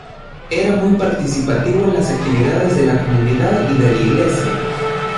Era muy participativo en las actividades de la comunidad y de la iglesia.